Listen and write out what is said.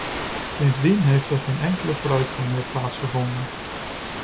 Sindsdien heeft er geen enkele vooruitgang meer plaatsgevonden.